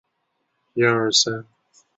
欢迎大家拍照打卡和我们分享喔！